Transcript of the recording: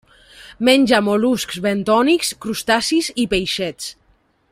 Menja mol·luscs bentònics, crustacis i peixets.